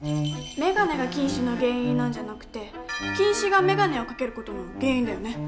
メガネが近視の原因なんじゃなくて近視がメガネをかける事の原因だよね？